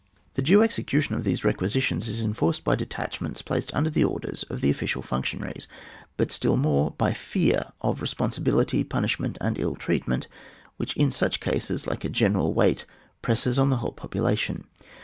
The due execution of these requisitions is enforced by detachments placed under the orders of the official nmctionaries, but still more by the fear of responsi bility, punishment, and ill treatment which, in such cases, like a general weight, presses on the whole population.